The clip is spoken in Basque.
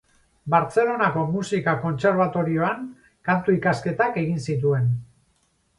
Bartzelonako Musika Kontserbatorioan kantu-ikasketak egin zituen.